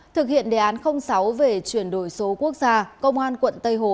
thực hiện đề án sáu về chuyển đổi số quốc gia công an quận tây hồ